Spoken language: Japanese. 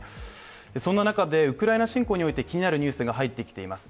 そんな中でウクライナ侵攻において気になるニュースが入ってきています。